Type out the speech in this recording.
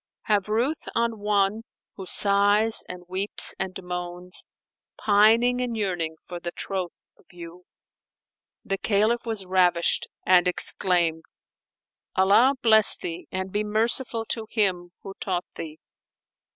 Have ruth on one who sighs and weeps and moans, * Pining and yearning for the troth of you." The Caliph was ravished and exclaimed, "Allah bless thee and be merciful to him who taught thee!"